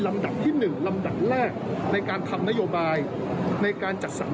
ดับที่๑ลำดับแรกในการทำนโยบายในการจัดสรร